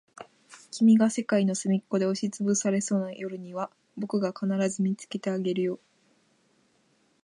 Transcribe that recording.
君が世界のすみっこで押しつぶされそうな夜には、僕が必ず見つけてあげるよ。